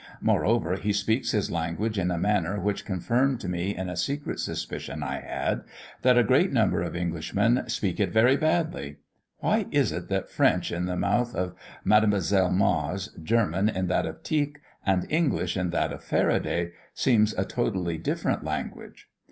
Moreover, he speaks his language in a manner which confirmed me in a secret suspicion I had, that a great number of Englishmen speak it very badly. Why is it that French in the mouth of Mdlle. Mars, German in that of Tieck, and English in that of Faraday, seems a totally different language?